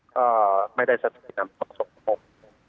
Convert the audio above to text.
ก็ไม่ได้สัตวินทางสมมุม